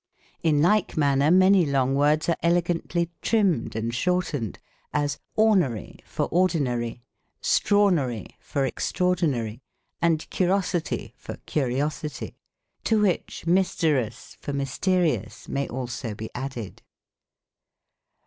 In like manner, many long words are elegantly trimmed and shortened ; as, ornary for ordinary, 'strornary for extraordinary, and curosity for curi osity ; to which mysterus for mysterious may also be added.